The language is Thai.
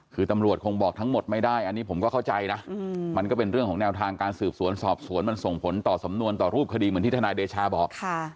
คือตำรวจคงบอกทั้งหมดไม่ได้อันนี้ผมก็เข้าใจนะมันก็เป็นเรื่องของแนวทางการสืบสวนสอบสวนมันส่งผลต่อสำนวนต่อรูปคดีเหมือนที่ทนายเดชาบอก